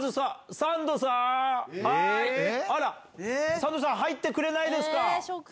三度さん、入ってくれないですか。